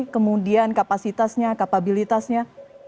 kemudian kapasitasnya kapabilitasnya